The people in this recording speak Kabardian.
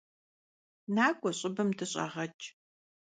Nak'ue ş'ıbım dış'eğeç'!